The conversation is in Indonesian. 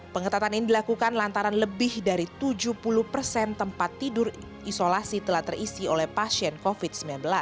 pengetatan ini dilakukan lantaran lebih dari tujuh puluh persen tempat tidur isolasi telah terisi oleh pasien covid sembilan belas